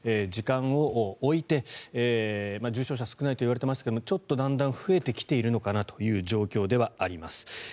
時間を置いて、重症者が少ないといわれていましたがちょっとだんだん増えてきているのかなという状況ではあります。